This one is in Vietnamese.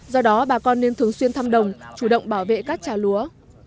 do đó bà con nên thường xuyên thăm đồng chủ động bảo vệ các trà lúa